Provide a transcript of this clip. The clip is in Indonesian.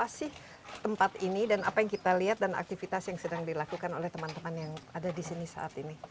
apa sih tempat ini dan apa yang kita lihat dan aktivitas yang sedang dilakukan oleh teman teman yang ada di sini saat ini